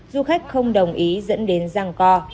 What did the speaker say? du khách không đồng ý dẫn đến giăng co